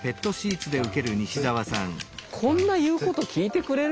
こんな言うこと聞いてくれる？